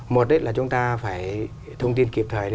một là chúng ta phải thông tin kịp thời